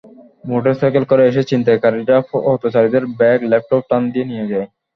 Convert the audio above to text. মোটরসাইকেলে করে এসে ছিনতাইকারীরা পথচারীদের ব্যাগ, ল্যাপটপ টান দিয়ে নিয়ে যায়।